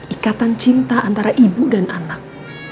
ikatan cinta antara ibu dan anak